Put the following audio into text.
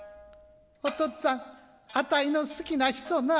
「おとっつぁんあたいの好きな人な」。